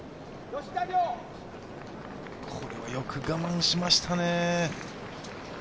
これはよく我慢しましたね。